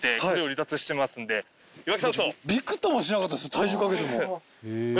びくともしなかったですよ